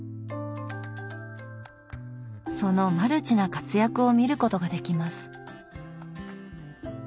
そのマルチな活躍を見ることができます。